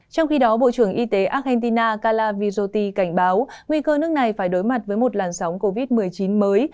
trong khi đó bộ trưởng y tế argentina kala vyjoti cảnh báo nguy cơ nước này phải đối mặt với một làn sóng covid một mươi chín mới